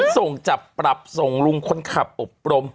ส่งจับปรับส่งลุงคนขับอบรม